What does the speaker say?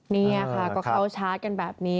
นี่ค่ะก็เข้าชาร์จกันแบบนี้